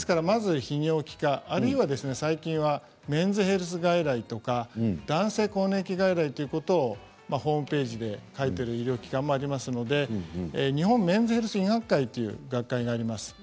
まず泌尿器科あるいはメンズヘルス外来とか男性更年期外来ということをホームページで書いている医療機関もありますので日本メンズヘルス医学会という学会があります。